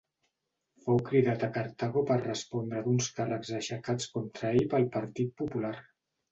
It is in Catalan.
Fou cridat a Cartago per respondre d'uns càrrecs aixecats contra ell pel partit popular.